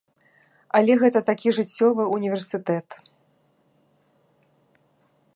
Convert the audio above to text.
Але гэта такі жыццёвы ўніверсітэт.